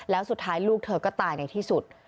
แล้วสุดท้ายลูกเธอก็ตายในที่สุด